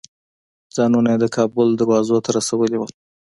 ځانونه یې د کابل دروازو ته رسولي وو.